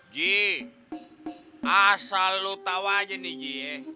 ji asal lu tau aja nih ji